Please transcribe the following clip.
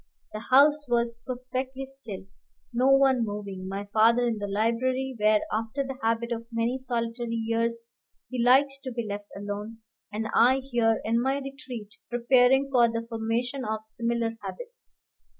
The house was perfectly still, no one moving: my father in the library, where, after the habit of many solitary years, he liked to be left alone, and I here in my retreat, preparing for the formation of similar habits.